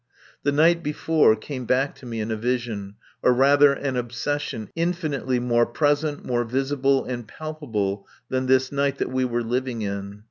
The night before came back to me in a vision, or rather an obsession, infinitely more present, more visible and palpable than this night that we were living in.